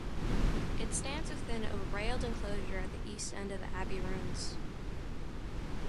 It stands within a railed enclosure at the east end of the abbey ruins.